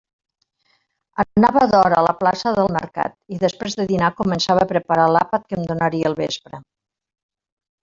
Anava d'hora a la plaça del mercat, i després de dinar començava a preparar l'àpat que em donaria al vespre.